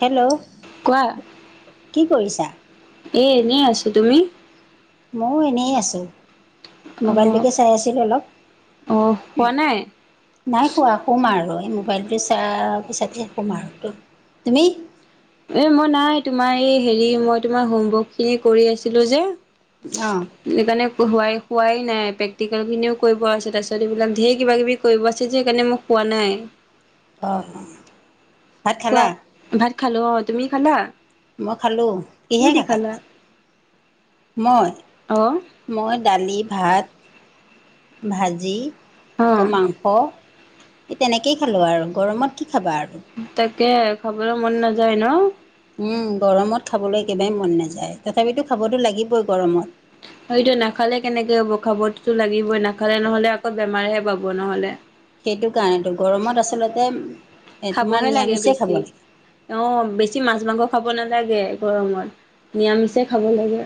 Hello কোৱা কি কৰিছা এ এনেই আছো তুমি ময়ো এনেই আছোঁ অ মোবাইলটোকে চাই আছিলোঁ অলপ অ হোৱা নাই নাই শুৱা শুম আৰু এই মোবাইলটো চা পিছতে শুম আৰু তু তুমি এ মই নাই তোমাৰ এই হেৰি মই তোমাৰ হোমৱৰ্ক খিনি কৰি আছিলো যে অ সেইকাৰণে শুৱাই শুৱাই নাই প্ৰেক্টিকেলখিনিও কৰিব আছে তাৰপিছত এইবিলাক ঢেৰ কিবাকিবি কৰিব আছে যে সেইকাৰণে মোক শুৱা নাই অ কোৱা ভাত খালো অ তুমি খালা মই খালোঁ কি কিহে দি খালা মই অ মই দালি ভাত ভাজি অ আকৌ মাংস এই তেনেকেই খালোঁ আৰু গৰমত কি খাবা আৰু তাকে খাবলৈ মন নাযায় ন উম গৰমত খাবলৈ একেবাৰে মন নাযায় তথাপিতো খাবতো লাগিবই গৰমত সটো নাখালে কেনেকে হ'ব খাবততো লাগিবই নাখালে নহলে আকৌ বেমাৰহে পাব নহলে সেইটো কাৰণেতো গৰমত আচলতে তোমাৰ খাবহে লাগে নিৰামিচেই বেছি। খাব লাগে অ বেছি মাছ মাংস খাব নালাগে গৰমত নিৰামিচে খাব লাগে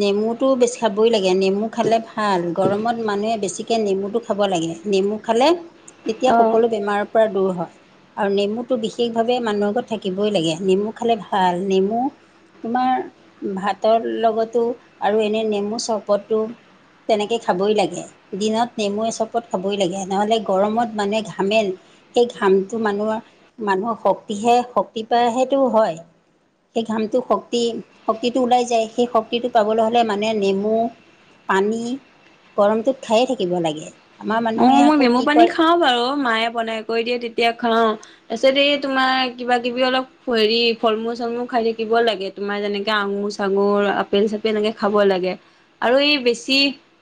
নেমুটো বেছি খাবই লাগে নেমু খালে ভাল গৰমত মানুহে বেছিকে নেমুটো খাব লাগে নেমু খালে তেতিয়া অ'। সকলো বেমাৰৰ পৰা দূৰ হয় আৰু নেমুটো বিশেষভাৱে মানুহ ঘৰত থাকিবই লাগে নেমু খালে ভাল নেমু তোমাৰ ভাতৰ লগতো আৰু এনে নেমু চৰবতো তেনেকে খাবই লাগে দিনত নেমু এ চবত খাবই লাগে নহ'লে গৰমত মানুহে ঘামেল সেই ঘামটো মানুহৰ মানুহৰ শক্তিহে শক্তি পাই হেটো হয় সেই ঘামটো শক্তি শক্তিটো ওলাই যায় সেই শক্ ক্তিতিটো পাবলৈ হ'লে মানে নেমু পানী গৰমটোত খায়ে থাকিব লাগে আমাৰ অ মানুহে মই আকৌ নেমু কি পানী কৰে খাও বাৰু মায়ে বনাই কৰি দিয়ে তেতিয়া খাওঁ তাছত এই তোমাৰ কিবা কিবি অলপ হেৰি ফল মূল চলমুল খাই থাকিব লাগে তোমাৰ যেনেকে আঙুৰ চাঙুৰ আপেল চাপেল এনেকে খাব লাগে আৰু এই বেছি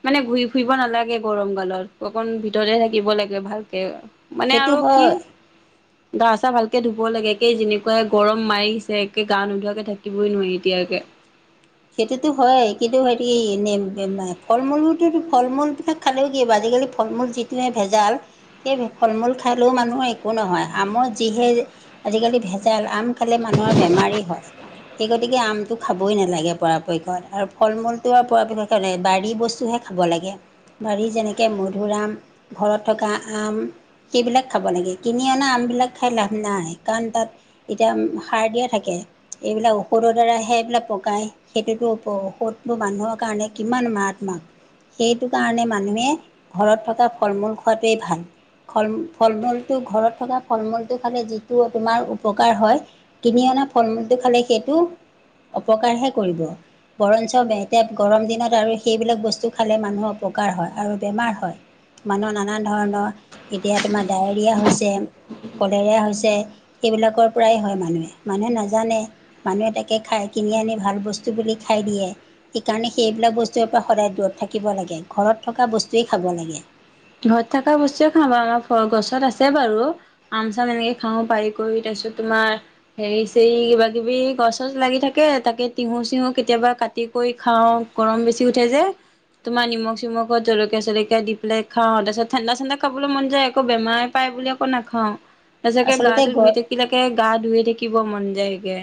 মানে ঘুই ফুৰিব নালাগে গৰম কালত অকণ ভিতৰতে থাকিব লাগে ভালকে মানে সেইটো আৰু কি হয় গা-চা ভালকে ধুব লাগে, একেই যেনেকুৱাই গৰম মাৰিছে একে গা নোধোৱাকে থাকিবই নোৱাৰি এতিয়কে। সেইটোতো হয় কিন্তু সেৰি ফল মূলতো ফল মূল থা খালেও কি হ'ব, আজিকালি ফল মূল যিটোৱে ভেজাল। সেই ফল মূল খালেও মানুহৰ একো নহয়। আমৰ যিহে আজিকালি ভেজাল আম খালে মানুহৰ বেমাৰেই হয়। সেই গতিকে আমটো খাবই নালাগে। পৰাপক্ষত। আৰু ফল মূলটো আৰু পৰাপক্ষ বাৰী বস্তুহে খাব লাগে। বাৰীত যেনেকে মধুৰআম, ঘৰত থকা আম, সেইবিলাক খাব লাগে, কিনি অনা আমবিলাক খাই লাভ নাই কাৰণ তাত এতিয়া সাৰ দিয়া থাকে এইবিলাক ঔষধৰ দ্বাৰ সে এইবিলাক পকায়। সেইটোতো ঔষধটোৰ মানুহৰ কাৰণে কিমান মাৰাত্মাক। সেইটো কাৰণে মানুহে ঘৰত থকা ফল-মূল খোৱাটোৱে ভাল। ফল-ফল-মূলটো ঘৰত থকা ফল-মূলটো খালে যিটো তোমাৰ উপকাৰ হয় কিনি অনা ফল মূলটো খালে সেইটো অপকাৰহে কৰিব। বৰঞ্চ এতিয়া গৰম দিনত আৰু সেইবিলাক বস্তু খালে মানুহ অপকাৰ হয় আৰু বেমাৰ হয়। মানুহ নানান ধৰণৰ এতিয়া তোমাৰ ডায়েৰিয়া হৈছে, কলেৰিয়া হৈছে, সেইবিলাকৰ পৰাই হয় মানুহে, মানুহে নাজানে মানুহ এ তাকে খাই কিনি আনি ভাল বস্তু বুলি খাই দিয়ে সেইকাৰণে সেইবিলাক বস্তুৰ পৰা সদায় দূৰত থাকিব লাগে। ঘৰত থকা বস্তুৱেই খাব লাগে। ঘৰত থকা বস্তুৱে খা বাৰু আমাৰ গছত আছে বাৰু। আম-চাম এনেকে খাওঁ পাৰি কৰি তাৰপিছত তোমাৰ হেৰি-চৰি কিবা-কিবি গছত লাগি থাকে তাকে তিহু-চিহু কেতিয়াবা কাট তে কৰি খাওঁ, গৰম বেছি উঠাই যে তোমাৰ নিমখ চিমখত জলকীয়া-চলকীয়া দি পেলাই খাওঁ তাৰপিছত ঠাণ্ডা-চাণ্ডা খাবলৈ মন যায় একো বেমাৰ পায় বুলি আ একো নাখাওঁ। সঁচাকে আচলতে গাটো গ ধুই থাকিলাকে গা ধুইে থাকিব মন যায়গে।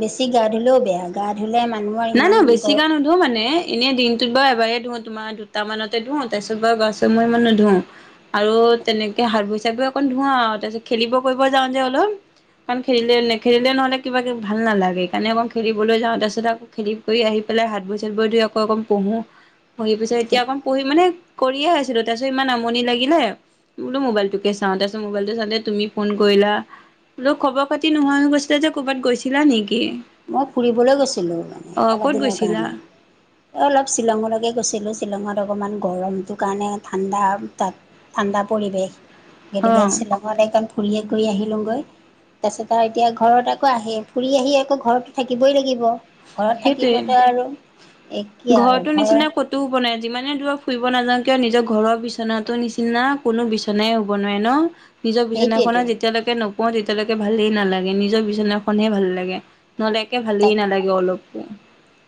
বেছি গা ধুললেও বেয়া, গা ধুলে মানুহ নাই নাই বেছি গা ধু মানে, এনেই দিনটোত বাৰু এবাৰ ধু তোমাৰ দুটা মানতে ধুওঁ তাৰপিছত বাৰু গা মই ইমান নুধোও। আৰু তেনেকে হাতভৰি-চাতভৰি অকণ ধোৱা আৰু তাৰপিছত খেলিব কৰিব যাওঁ যে অলপ। কাৰণ খেলিলে নেখেলিলে নহ'লে কিবা কিব ভাল নালাগে, সেইকাৰণে অকণ খেলিবলৈ যাওঁ তাৰপিছত আ খেদি কৰি আহি পেলাই হাতভৰি-চাতভৰি ধই আকৌ অকণ পঢ়ো। পঢ়ি পিছত এতিয়া ঠিক অকণ পঢ়হি মানে কৰিয়ে আছিলো তাৰপিছত ইমান আমনি লাগিলে বুলো মোবাইলটোকে চাওঁ, তাৰপিত মোবাইলটো চাওঁতে তুমি ফোন কৰিলা। বুলো খবৰ-খাতি নোহয় হৈ গৈছিলে যে ক'ৰবাত গৈছিলা নেকি? মই ফুৰিবলৈ গৈছিলোঁ মানে অ অলপ ক'ত দিনৰ গৈছিলা কাৰণে। অলপ শ্বিলঙলৈকে গৈছিলোঁ, শ্বিলঙত অকণমান গৰমটোৰ কাৰণে ঠাণ্ডা তাত ঠাণ্ডা পৰিৱেশ, সেইটোকে অ', শ্বিলং [unintelligible] ফুৰিয়ে কৰি আহি লোঁগৈ। তাৰপিছত আৰু এতিয়া ঘৰত আকৌ আহে ফুৰি আহি আকৌ ঘৰত থাকিবই লাগিব। ঘৰত সেইটোৱে। থাকিবতে আৰু এক আৰু ঘৰৰ টো হ'ব নাই। যিমানে দূৰত ফুৰিব নাযাও কিয় নিজৰ ঘৰৰ বিচনাতো নিচিনাা কোনো বিচনাই হ'ব নোৱাৰে ন? নিজৰ বিচনাখনে সেইটোৱেতো যেতিয়ালৈকে নোপোৱাওঁ তেতিয়ালৈকে ভালেই নালাগে নিজৰ বিচনাখনহে ভাল লাগে। নহ'লে একে ভালেই তাক নালাগে অলপো।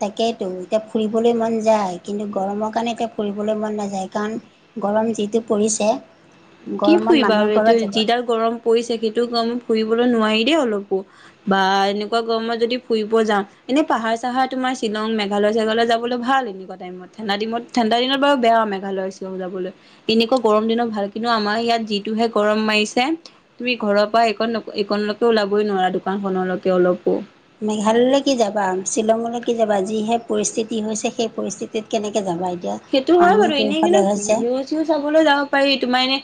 তাকেইতো এতিয়া ফুৰিবলৈ মন যায়, কিন্তু গৰমৰ কাৰণে এতিয়া ফুৰিবলৈ মন নাযায় কাৰণ গৰম যিটো পৰিছে কি গৰমত ফুৰিবা মানুহৰ আৰু এইটো ঘৰত যাব যিডাল গৰম পৰিছে সেইটো গম ফুৰিবলৈ নোৱাৰি দেই অলপো। বা এনেকুৱা গৰমত যদি ফুৰিব যাওঁ, এনে পাহাৰ চাহাৰ তোমাৰ শ্বিলং, মেঘালয়-চেঘালয় যাব বোল ভাল এনেকুৱা টাইমত ঠাণ্ডাদিমত ঠণ্ডা দিনত বাও বেয়া মেঘালয় শ্বিলং যাবলৈ এনেকুৱা গৰম দিনত ভাল কিন আমাৰ ইয়াত যিটোহে গৰম মাৰিছে। তুমি ঘৰৰ পা এইকণ নক এইকণ ওলাবই নোৱাৰা দোকানখনলৈকে অলপো মেঘালয়লৈ কি যাবা, শ্বিলঙলৈ কি যাবা, যিহে পৰিস্থিতি হৈছে সেই পৰিস্থিতিত কেনেকৈ যাবা এত- সেটো হয় বাৰু এনেই কিন্তু ভিউ চিউ চাবলৈ যাব পাৰি তোমাৰ এনে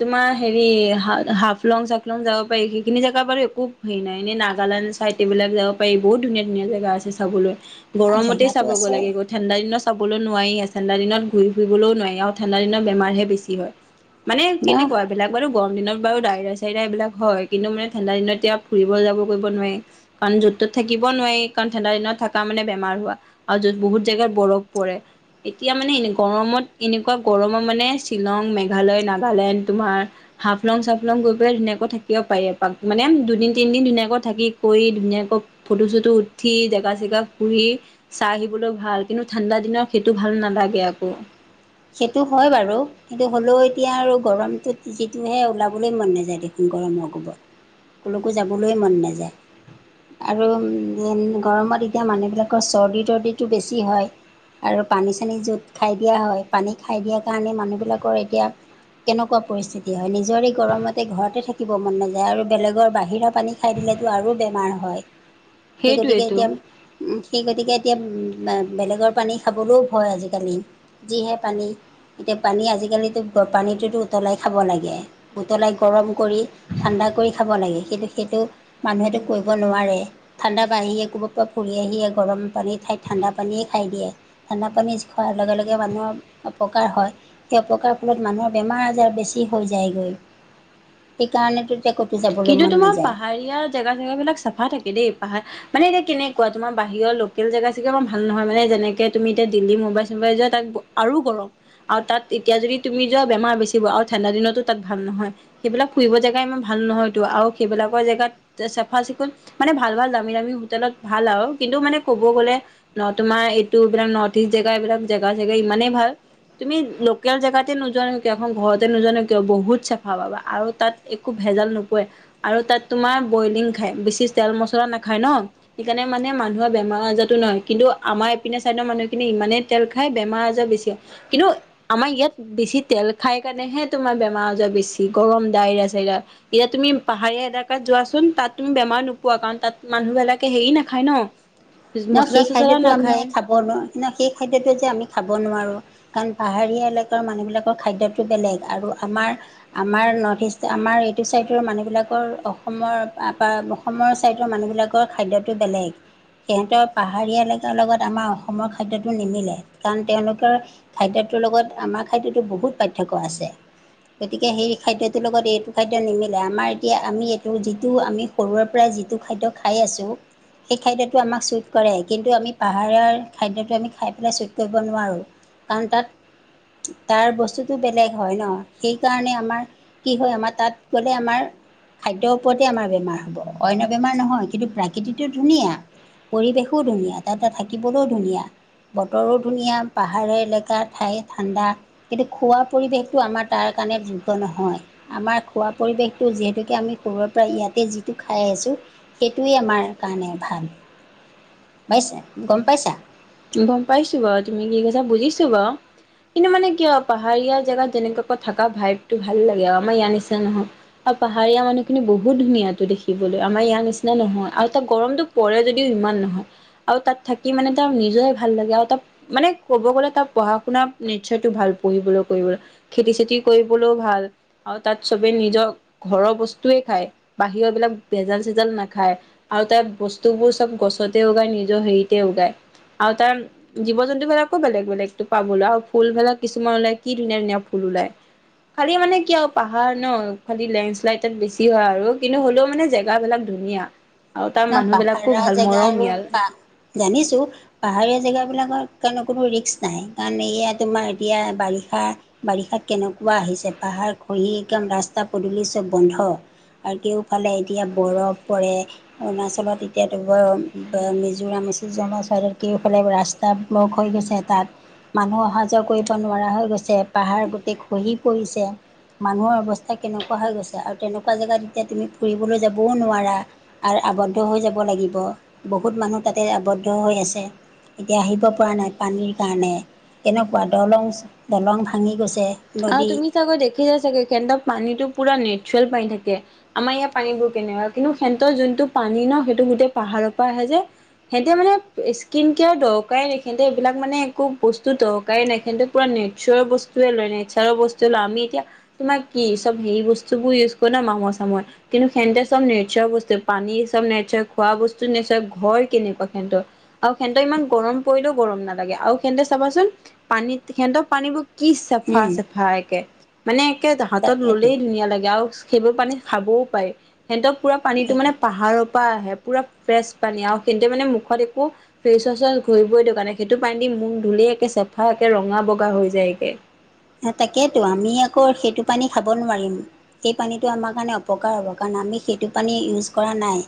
তোমাৰ হেৰি হা হাফলং চাফলং যাব পাৰি সেইখিনি জেগা বাৰু একো সেই নাই এনেই নাগালেণ্ড চাই এইবিলাক যাব পাৰি বহুত ধুনীয়া ধুনীয়া জেগা আছে চাবলৈ। গৰমতে জেগাটো চাব গ আছে লাগে গত- ঠাণ্ডা দিনত চাবলৈও নোৱাৰি আ চেণ্ডা দিনত ঘূৰি ফুৰিবলৈও নোৱাই আৰু ঠাণ্ডা দিনত বেমাৰহে বেছি হয়। মানে ন কেনেকুৱা এইবিলাক বাৰু গৰম দিনত বাৰু দাইৰা চাইৰা এইবিলাক হয় কিন্তু মানে ঠাণ্ডা দিনত এতিয়া ফুৰিব যাব কৰিব নোৱাই। কাৰণ য'ত তত থাকিব নোৱাই কাৰণ ঠাণ্ডা দিনত থাকা মানে বেমাৰ হোৱা। আৰু য'ত বহুত জেগাত বৰফ পৰে। এতিয়া মানে এ গৰমত এনেকুৱা গৰমত মানে শ্বিলং মেঘালয় নাগালেণ্ড তোমাৰ হাফ লং চাফলং গৈ পেলাই ধুনীয়াকৈ থাকিব পাৰি এপাক মানে দুদিন তিনদিন ধুনীয়াকৈ থাকি কৰি ধুনীয়াকৈ ফটো চটো উঠি জেগা চেগা ফুৰি চাই আহিবলৈ ভাল কিন্তু ঠাণ্ডা দিন টো ভাল নালাগে আকৌ। সেটো হয় বাৰু। কিন্তু হ'লেও এতিয়া আৰু গৰমটোত যিটোহে ওলাবলৈ মন নাযায় দেখোন গৰমৰ গোবত। কলোকো যাবলৈ মন নাযায়। আৰু গৰমত এতিয়া মানুহবিলাকৰ চৰ্দি তৰ্দিটো বেছি হয়। আৰু পানী চানী য'ত খাই দিয়া হয়। পানী খাই দিয়া কাৰণে মানুহবিলাকৰ এতিয়া কেনেকুৱা পৰিস্থিতি হয় নিজৰে গৰমতে ঘৰতে থাকিব মন নাযায় আৰু বেলেগৰ বাহিৰা পানী খাই দিলেতো আৰু বেমাৰ হয়। সেই গতিকে সেইটোৱেইটো। এতিয়া সেই গতিকে এতিয়া বেলেগৰ পানী খাবলৈও ভয় আজিকালি যিহে পানী এতিয়া পানী আজিকালিতো পানীটোতো উতলাই খাব লাগে। উতলাই গৰম কৰি ঠাণ্ডা কৰি খাব লাগে। কিন্তু সেইটো মানুহেটো কৰিব নোৱাৰে। ঠাণ্ডা বা আহিয়ে ক'ব পা ফুৰি আহিয়ে গৰম পানী ঠাইত ঠাণ্ডা পানীয়ে খাই দিয়ে। ঠাণ্ডা পানী যি খোৱাৰ লগে লগে মানুহৰ অপকাৰ হয় সেই অপকাৰ ফলত মানুহৰ বেমাৰ আজাৰ বেছি হৈ যায়গৈ। সেইকাৰণে টোত কে কতো যাব কিন্তু তোমাৰ পাহাৰীয়া জেগা জেগাবিলাক চাফা থাকে দেই। পাহা- মানে এতি কেনেকুৱা তোমাৰ বাহিৰৰ লোকেল জেগা চেগা মই ভাল নহয় মানে যেনেকে তুমি এতিয়া দিল্লী মোম্বাই ছোম্বাই যোৱা তাক আৰু গৰম। আও তাত এতিয়া যদি তুমি যোৱা বেমাৰ বেছিব আও ঠাণ্ডা দিনতো তাত ভাল নহয়। সেইবিলাক ফুৰিব জেগা ইমান ভাল নহয়তো আও সেইবিলাকৰ জেগাত তে চাফা চিকুণ মানে ভাল ভাল দামী দামী হোটেলত ভাল আও কিন্তু মানে ক'ব গ'লে ন তোমাৰ এইটো এইবিলাক নৰ্থ ইষ্ট জেগা এইবিলাক জেগা চেগা ইমানেই ভাল তুমি লোকেল জেগাতে নোযোৱানে কিয় এখন ঘৰতে নোজানো কিয় বহুত চাফা পাবা আৰু তাত একো ভেজাল নোপোৱাই আৰু তাত তোমাৰ বইলিং খাই বেছি তেল মছলা নাখায় ন। সেইকাণে মানে মানুহৰ বেমাৰ আজাৰতো নহয় কিন্তু আমাৰপিনে চাইডৰ মানুহখিনি ইমানে তেল খাই বেমাৰ আজাৰ বেছি হয়। কিন্তু আমাৰ ইয়াত বেছি তেল খাই কাৰণেহে তোমাৰ বেমাৰ আজাৰ বেছি গৰম দাইৰা চাইৰা এতিয়া তুমি পাহাৰীয়া এলেকাত যোৱাচোন তাত তুমি বেমাৰ নোপোৱা কাৰণ তাত মানুহবিলাকে হেৰি নাখায় ন। ন মছলা সেই চচলা খাদ্যটো আমি নাখায় খাব নোৱাৰ, কিন সেই খাদ্যতো যে আমি খাব নোৱাৰো। কাৰণ পাহাৰীয়া এলেকাৰ মানুহবিলাকৰ খাদ্যটো বেলেগ, আৰু আমাৰ আমাৰ নৰ্থ ইষ্ট আমাৰ এইটো চাইডৰ মানুহবিলাকৰ অসমৰ বা অস মৰ চাইডৰ মানুহবিলাকৰ খাদ্যটো বেলেগ। সিহঁতৰ পাহাৰীয়া এলেকাৰ লগত আমাৰ অসমৰ খাদ্যটো নিমিলে, কাৰণ তেওঁলোকৰ খাদ্যটোৰ লগত আমাৰ খাদ্যটো বহুত পাৰ্থক্য আছে। গতিকে সেই খাদ্যটোৰ লগত এইটো খাদ্য নিমিলে আমাৰ এতিয়া আমি এইটো যিটো আমি সৰুৰে পৰা যিটো খাদ্য খাই আছোঁ সেই খাদ্য টো আমাক ছুট কৰে কিন্তু আমি পাহাৰীয়া খাদ্যটো আমি খাই পেলাই ছুট কৰিব নোৱাৰোঁ। কাৰণ তাত তাৰ বস্তুটো বেলেগ হয় ন, সেইকাৰণে আমাৰ কি হয় আমাৰ তাত গ'লে আমাৰ খাদ্যৰ ওপৰতে আমাৰ বেমাৰ হ'ব অন্য বেমাৰ নহয়, কিন্তু প্ৰাকৃতিটো ধুনীয়া। পৰিৱেশো ধুনীয়া তাতে থাকিবলৈও ধুনীয়া। বতৰো ধুনীয়া পাহাৰ এলেকা ঠাই ঠাণ্ডা। কিন্তু খোৱা পৰিৱেশটো আমাৰ তাৰ কাৰণে যোগ্য নহয়। আমাৰ খোৱা পৰিৱেশটো যিহেতুকে আমি সৰুৰে পৰা ইয়াতে যিটো খাই আহিছোঁ, সেইটোৱেই আমাৰ কাৰণে ভাল। পাইছে গম পাইছা? গম পাইছো বাৰু তুমি কি কৈছা বুজিছো বাৰু। কিন্তু মানে কি আৰু পাহাৰীয়া জেগাত যেনেকুৱাকৈ থকা ভাইভটো ভাল লাগে আৰু আমাৰ ইয়াৰ নিচিনা নহয়। আৰু পাহাৰীয়া মানুহ খিনি বহুত ধুনীয়াটো দেখিবলৈ আমাৰ ইয়াৰ নিচিনা নহয়, আৰু তাত গৰমটো পৰে যদিও ইমান নহয় আৰু তাত থাকি মানে তাৰ নি জৰেই ভাল লাগে, আৰু তাৰ মানে ক'ব গ'লে তাৰ পঢ়া শুনা নেচাৰটো ভাল পঢ়িবলৈ কৰিবলৈ। খেতি চেতি কৰিবলৈও ভাল। আৰু তাত চবেই নিজৰ ঘৰৰ বস্তুৱে খায় বাহিৰৰ বিলাক ভেজাল চেজাল নাখায়। আৰু তাৰ বস্তুবোৰ চব গছতে উগায় নিজৰ হেৰিতে উগায় আৰু তাৰ জীৱ জন্তুবিলাকো বেলেগ বেলেগতো পাবলৈ আৰু ফুলবিলাক কিছুমান ওলাই কি ধুনীয়া ধুনীয়া ফুল ওলাই। খালি মানে কি আৰু পাহাৰ ন খালি লেণ্ড শ্লাইড তাত বেছি হয় আৰু, কিন্তু হ'লেও মানে জেগা বিলাক ধুনীয়া আৰু তাৰ ন মানুহ বিলাকো ভাল মৰমীয়াল। জানিছোঁ। পাহাৰীয়া জেগাবিলাকৰ কাৰণে কোনো ৰিস্ক নাই কাৰণ এয়া তোমাৰ এতিয়া বাৰিষা বাৰিষাত কেনেকুৱা আহিছে পাহাৰ খহি একদম ৰাস্তা পদূলি চব বন্ধ। আৰু কেওফালে এতিয়া বৰফ পৰে। অৰুণাচলত এতিয়াতো মিজোৰাম চিজোৰামৰ কেওফালে ৰা স্তাত খহি গৈছে তাত। মানুহ অহা যোৱা কৰিব নোৱাৰা হৈ গৈছে পাহাৰ গোটেই খহি পৰিছে। মানুহৰ অৱস্থা কেনেকুৱা হৈ গৈছে আৰু তেনেকুৱা জেগাত এতিয়া তুমি ফুৰিবলৈ যাবও নোৱাৰা। আৰু আৱদ্ধ হৈ যাব লাগিব বহুত মানুহ তাতে আৱদ্ধ হৈ আছে। এতিয়া আহিব পৰা নাই পানীৰ কাৰণে কেনেকুৱা দলং দলং ভাঙি গৈছে। আৰু নদী তুমি চাগৈ দেখিছা চাগে সিহতঁৰ পানীটো পুৰা নেচুৰেল পানী থাকে। আমাৰ ইয়াৰ পানী বোৰ কেনেকুৱা কিন্তু সিহঁতৰ যোনটো পানী ন সেইটো গোটেই পাহাৰৰ পৰা আহে যে সিহঁতে মানে স্কিন কেয়াৰ দৰকাৰেই নাই সিহঁতে এইবিলাক মানে একো বস্তু দৰকাৰেই নাই সিহঁতে পুৰা নেচুৰেল বস্তুৱে লয় নেচাৰৰ বস্তুৱে লয় আমি এতিয়া তোমাৰ কি চব হে বস্তু বোৰ ইউজ কৰো ন মামৰ চামৰ কিন্তু সিহঁতে চব নেচাৰ বস্তু পানী চব নেচাৰ খোৱা বস্তু নেচাৰ ঘৰ কেনেকুৱা সিহঁতৰ। আৰু সিহঁতৰ ইমান গৰম পৰিলেও গৰম নালাগে আৰু সিহঁতে চাবাচোন পানীত সিহঁতৰ পানীবোৰ কি চাফা চাফা একে মানে একে হাতত তাকেতো ললেই ধুনীয়া লাগে আও সেইবোৰ পানী খাবও পাৰি সিহঁতক পুৰা পানীটো তাকেতো মানে পাহাৰৰ পা আহে পুৰা ফ্ৰেচ পানী আৰু সিহঁতে মানে মুখত একো, ফেচ ৱাছ ঘঁহিবই দৰকাৰ নায়, সেইটো পানী দি মখ ধুলেই একে চেফা একে ৰঙা বগা হৈ যায়গে। সে তাকেইতো আমি আকৌ সেইটো পানী খাব নোৱাৰিম। সেই পানীটো আমাৰ কাৰণে অপকাৰ হ'ব কাৰণ আমি সেইটো পানী ইউজ কৰা নাই।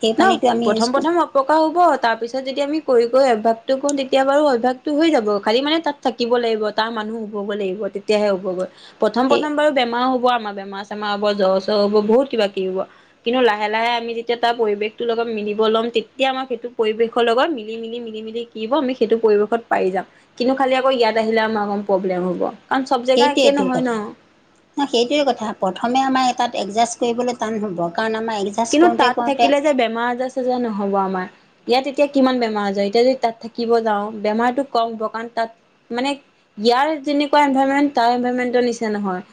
সেই ন পানীটো আমি ইউজ প্ৰথম প্ৰথম অ- পকাৰ হ'ব তাৰপিছত যেতিয়া আমি কৰি কৰি অভ্যাসটো কওঁ তেতিয়া বাৰু অভ্যাসটো হৈ যাব খালি মানে তাত থাকিব লাগিব তাৰ মানুহ হুবগৈ লাগিব তেতিয়াহে হুবগৈ প্ৰথম সেই প্ৰথম বাৰু, বেমাৰ হ'ব আমাৰ বেমাৰ চেমাৰ হ'ব জ্বৰ চ্বৰ হ'ব বহুত কিবা কিবি হ'ব কিন্তু লাহে লাহে আমি যেতিয়া তাত পৰিৱেশটোৰ লগত মিলিব ল'ম তেতিয়া আমাক সেইটো পৰিৱেশৰ লগত মিলি মিলি মিলি মিলি কিব হ'ব আমি সেইটো পৰিৱেশত পাৰি যাম কিন্তু খালি আকৌ ইয়াত আহিলে আমাৰ অকন প্ৰব্লেম হ'ব। কাৰণ চব জেগা একে সেইটোৱেই টো নহয় কথা। ন না সেইটোৱে কথা প্ৰথমে আমাৰ এ তাত এডজাষ্ট কৰিবলৈ টান হ'ব কাৰণ আমাৰ এডজা- কিন্তু তাত থাকিলে যে বেমাৰ আজাৰ চেজাৰ নহ'ব আমাৰ। ইয়াত এতিয়া কিমান বেমাৰ আজাৰ এতিয়া যদি তাত থাকিব যাওঁ বেমাৰতো কম হ'ব কাৰণ তাত মানে ইয়াৰ যেনেকুৱা এনভাৰমেন্ট তাৰ এনভাৰমেন্টৰ নিচিনা নহয়।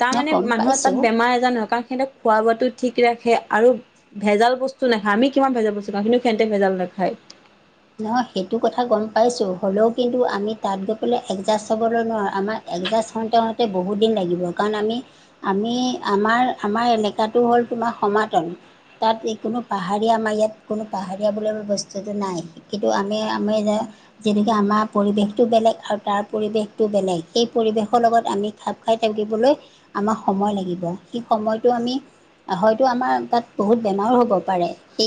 তাৰ ন মানে গম মানুহৰ তাত পাইছোঁ বেমাৰ এজাৰ নহয় কাৰণ সিহঁতে খোৱা বোৱাটো ঠিক ৰাখে। আৰু ভেজাল বস্তু নাখায় আমি কিমান ভেজাল বস্তু খাওঁ সিঁহতে ভেজাল নেখায়। নহয় সেইটো কথা গম পাইছোঁ হ'লেও কিন্তু আমি তাত গৈ পেলাই এডজাষ্ট হ'বলৈ নোৱাৰোঁ আমাৰ এডজাষ্ট হওঁতে হওঁতে বহুত দিন লাগিব কাৰণ আমি আমি আমাৰ আমাৰ এলেকাটো হ'ল তোমাৰ সমাতল, তাত যিকোনো পাহাৰীয়া আমা ইয়াত কোনো পাহাৰীয়া বোলা বস্তুটো নাই। কিন্তু আমি আমি যে যেনেকে আমাৰ পৰিৱেশটো বেলেগ আৰু তাৰ পৰিৱেশটো বেলেগ সেই পৰিৱেশৰ লগত আমি খাপ খাই থকিবলৈ আমা সময় লাগিব সেই সময়টো আমি হয়তো আমাৰ তাত বহুত বেমাৰো হ'ব পাৰে! সেই